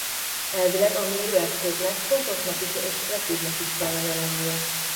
Elvileg a mérőeszköznek pontosnak is és precíznek is kellene lennie.